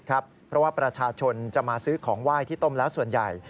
เพราะว่าประชาชนจะมาซื้อของไหว้ที่ต้มแล้วส่วนใหญ่